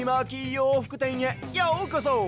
ようふくてんへようこそ！